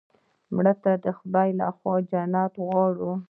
مړه ته د خدای له خوا جنت غواړو